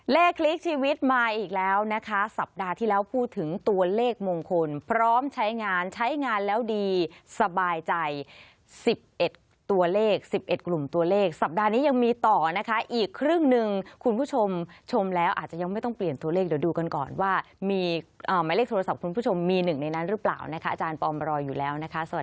เลขคลิกชีวิตมาอีกแล้วนะคะสัปดาห์ที่แล้วพูดถึงตัวเลขมงคลพร้อมใช้งานใช้งานแล้วดีสบายใจ๑๑ตัวเลข๑๑กลุ่มตัวเลขสัปดาห์นี้ยังมีต่อนะคะอีกครึ่งหนึ่งคุณผู้ชมชมแล้วอาจจะยังไม่ต้องเปลี่ยนตัวเลขเดี๋ยวดูกันก่อนว่ามีหมายเลขโทรศัพท์คุณผู้ชมมีหนึ่งในนั้นหรือเปล่านะคะอาจารย์ปอมรออยู่แล้วนะคะ